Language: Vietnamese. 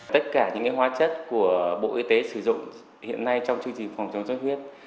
tất cả những hóa chất của bộ y tế sử dụng hiện nay trong chương trình phòng chống xuất huyết